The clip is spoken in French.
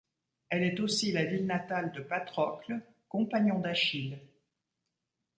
Elle est aussi la ville natale de Patrocle, compagnon d'Achille.